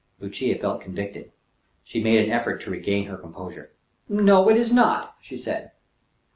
Lucia felt convicted. She made an effort to regain her composure. "No, it is not," she said.